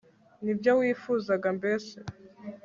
nibyo wifuzaga, mbese